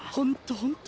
本当